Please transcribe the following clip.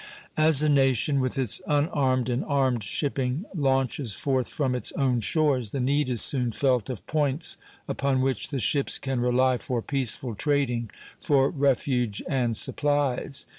As a nation, with its unarmed and armed shipping, launches forth from its own shores, the need is soon felt of points upon which the ships can rely for peaceful trading, for refuge and supplies.